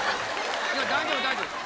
大丈夫大丈夫。